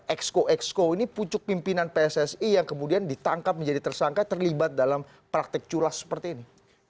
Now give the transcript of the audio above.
exco exco ini pucuk pimpinan pssi yang kemudian ditangkap menjadi tersangka terlibat dalam praktek culas seperti ini